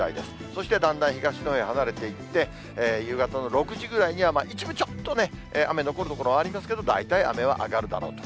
そしてだんだん東のほうへ離れていって、夕方の６時ぐらいには、一部ちょっとね、雨残る所ありますけど、大体雨は上がるだろうと。